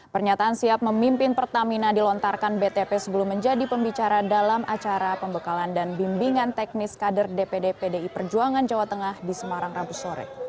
pernyataan siap memimpin pertamina dilontarkan btp sebelum menjadi pembicara dalam acara pembekalan dan bimbingan teknis kader dpd pdi perjuangan jawa tengah di semarang rabu sore